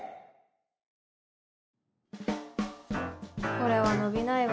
これは伸びないわ。